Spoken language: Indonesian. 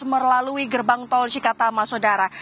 melalui gerbang tol cikatama sodara